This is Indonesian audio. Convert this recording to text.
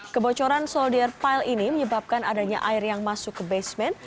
kebocoran soldier pile ini menyebabkan adanya air yang masuk ke basement